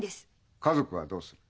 家族はどうする？